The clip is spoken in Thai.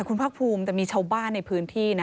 คุณภาคภูมิแต่มีชาวบ้านในพื้นที่นะ